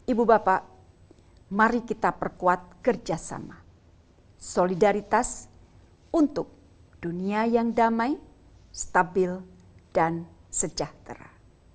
ibu bapak mari kita perkuat kerjasama solidaritas untuk dunia yang damai stabil dan sejahtera